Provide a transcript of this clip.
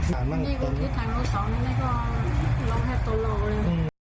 ไม่ทราบนี่กูคิดทำกับสาวนี้ก็ร้องแค่ตัวเราเลย